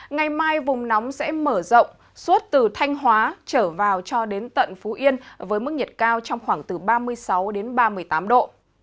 ngày mai vùng nóng sẽ mở rộng suốt từ thanh hóa trở vào cho đến tận phú yên với mức nhiệt cao trong khoảng từ ba mươi sáu đến ba mươi tám độ